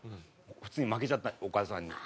普通に負けちゃったオカダさんに。